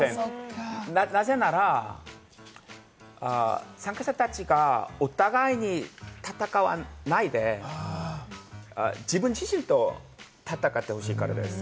なぜなら、参加者たちがお互いに戦わないで自分自身と戦ってほしいからです。